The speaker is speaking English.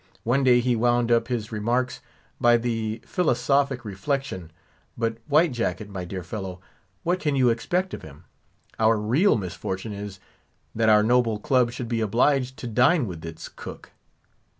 One day he wound up his remarks by the philosophic reflection—"But, White Jacket, my dear fellow, what can you expect of him? Our real misfortune is, that our noble club should be obliged to dine with its cook."